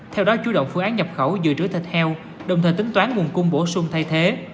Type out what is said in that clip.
theo đó chú động phương án nhập khẩu dự trữ thịt heo đồng thời tính toán nguồn cung bổ sung thay thế